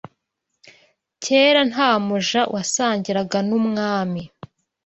Kera nta muja wasangiraga n’ umwami